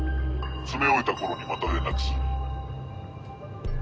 詰め終えた頃にまた連絡する。